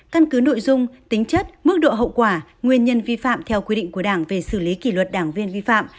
căn cứ nội dung tính chất mức độ hậu quả nguyên nhân vi phạm theo quy định của đảng về xử lý kỷ luật đảng viên vi phạm